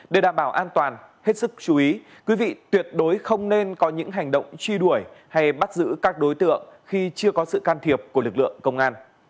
để đảm bảo an toàn hết sức chú ý quý vị tuyệt đối không nên có những hành động truy đuổi hay bắt giữ các đối tượng khi chưa có sự can thiệp của lực lượng công an